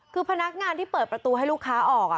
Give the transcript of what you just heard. คือพนักงานที่เปิดประตูให้ลูกค้าออก